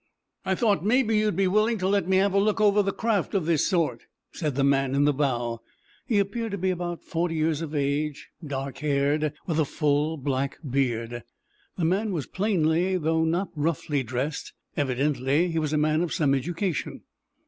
"I thought maybe you'd be willing to let me have a look over a craft of this sort," said the man in the bow. He appeared to be about forty years of age, dark haired and with a full, black beard. The man was plainly though not roughly dressed; evidently he was a man of some education.